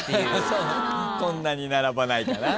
こんなに並ばないかな。